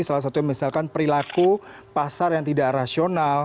salah satunya misalkan perilaku pasar yang tidak rasional